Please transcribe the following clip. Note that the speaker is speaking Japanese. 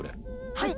はい！